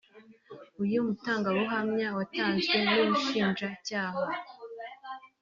uyu mutangabuhamya watanzwe n’Ubushinjacyaha